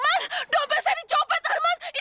emang mukul pek sering bersographics r brisbane